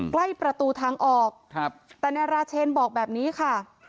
ใกล้ประตูทางออกแต่นายราเชนบอกแบบนี้ค่ะ